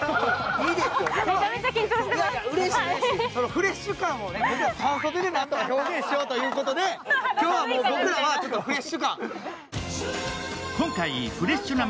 フレッシュ感を半袖で表現しようということで今日はもう、僕らはフレッシュ感。